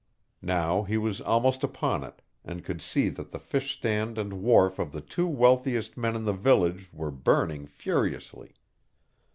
Now he was almost upon it, and could see that the fish stand and wharf of the two wealthiest men in the village were burning furiously.